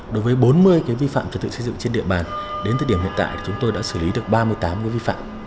đối với bốn mươi cái vi phạm trật tự xây dựng trên địa bàn đến thời điểm hiện tại chúng tôi đã xử lý được ba mươi tám cái vi phạm